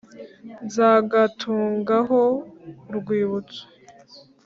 nzagatungaho urwibutso